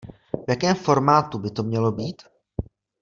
V jakém formátu by to mělo být?